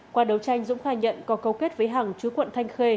qua đấu tranh dũng khai nhận có câu kết với hằng chú quận thanh khê